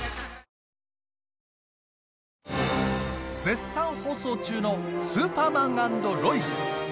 絶賛放送中の「スーパーマン＆ロイス」。